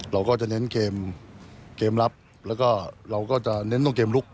เราก็จะเน้นเกมรับแล้วก็เราก็จะเน้นตรงเกมลุก